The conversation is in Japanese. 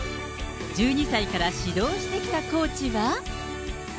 １２歳から指導してきたコーチは。